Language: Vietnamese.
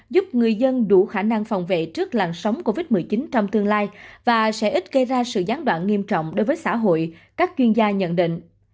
giúp người dân đủ khả năng phòng vệ trước làn sóng covid một mươi chín trong tương lai và sẽ ít gây ra sự gián đoạn nghiêm trọng đối với xã hội các chuyên gia nhận định